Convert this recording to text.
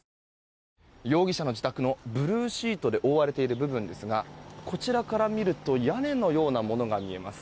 容疑者の自宅のブルーシートで覆われている部分ですがこちらから見ると屋根のようなものが見えます。